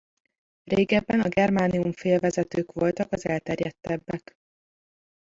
Régebben a germánium félvezetők voltak az elterjedtebbek.